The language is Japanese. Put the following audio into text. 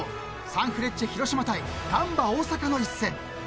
［サンフレッチェ広島対ガンバ大阪の一戦］